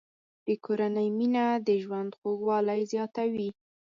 د کورنۍ مینه د ژوند خوږوالی زیاتوي.